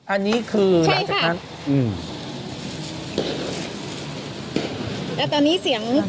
อันนี้คือหลังสักครั้งอืมใช่ค่ะ